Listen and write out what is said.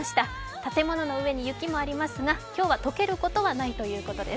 建物の上に雪もありますが今日は解けることはないということです。